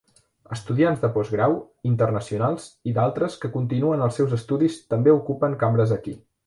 Estudiants de postgrau, internacionals i d'altres que continuen els seus estudis també ocupen cambres aquí.